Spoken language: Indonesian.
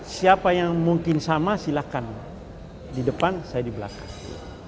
siapa yang mungkin sama silahkan di depan saya di belakang